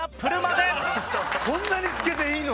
そんなに付けていいの？